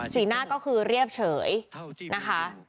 หน้าก็คือเรียบเฉยนะคะ